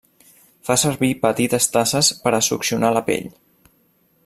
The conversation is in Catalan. Fa servir petites tasses per a succionar la pell.